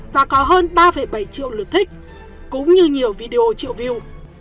và có hơn ba bảy triệu lượt thích cũng như nhiều video triệu view